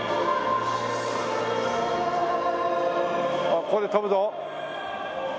あっこれ跳ぶぞ。